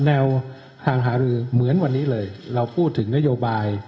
แนวทางหารือเหมือนวันนี้เลยเราพูดถึงนโยบาย